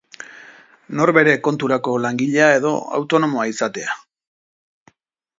Norbere konturako langilea edo autonomoa izatea.